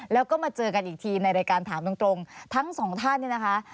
แล้วก็มาเจอกันอีกทีในรายการถามตรงทั้งสองท่านเนี่ยนะคะ